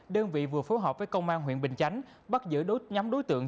đơn vị vừa phối hợp với công an huyện bình chánh bắt giữ đốt nhóm đối tượng